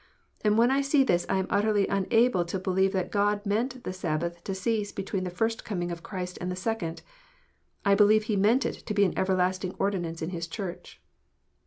And when I see this I am utterly unable to believe that God meant the Sabbath to cease between the first coming of Christ and the second. I believe He meant it to be an everlasting ordinance in His Church.